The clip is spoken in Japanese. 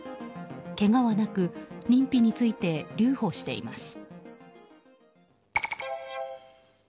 けがはなく認否について留保しています。